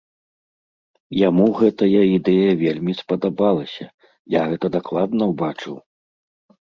Яму гэтая ідэя вельмі спадабалася, я гэта дакладна ўбачыў!